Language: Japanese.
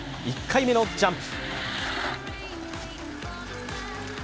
１回目のジャンプ。